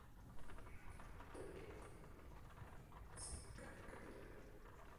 jan ante li wile ala e ni: sina kepeken len.